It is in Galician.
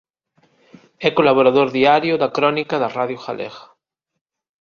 É colaborador diario da "Crónica" da Radio Galega.